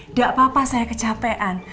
tidak apa apa saya kecapean